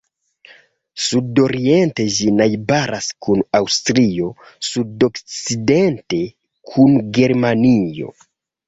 Sudoriente ĝi najbaras kun Aŭstrio, sudokcidente kun Germanio.